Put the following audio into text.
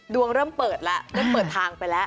เริ่มเปิดแล้วเริ่มเปิดทางไปแล้ว